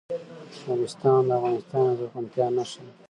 نورستان د افغانستان د زرغونتیا نښه ده.